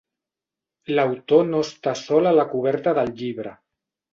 L'autor no està sol a la coberta del llibre.